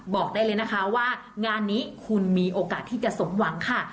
บอกได้เลยนะคะว่างานนี้คุณมีโอกาสที่จะสมหวังค่ะ